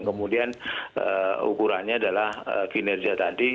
kemudian ukurannya adalah kinerja tadi